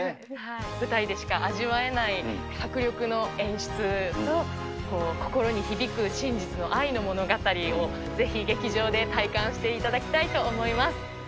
舞台でしか味わえない迫力の演出と、心に響く真実の愛の物語を、ぜひ劇場で体感していただきたいと思います。